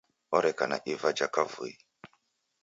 Oreka na iva ja kavui.